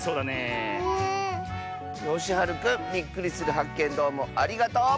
よしはるくんびっくりするはっけんどうもありがとう！